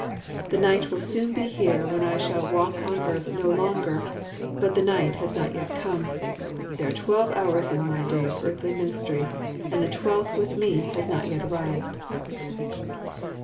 The night will soon be here when I shall walk on earth no long er : but the night has not yet come. There are twelve hours in my day of earthly ministry, and the twelfth with Me has not arrived."